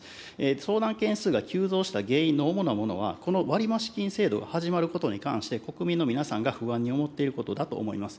相談件数が急増した原因の主なものは、この割増金制度が始まることに関して、国民の皆さんが不安に思っていることだと思います。